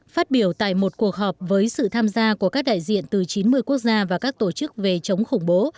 phát biểu tại một cuộc họp với sự tham gia của các đại diện từ chín mươi quốc gia và các tổ chức về chống khủng bố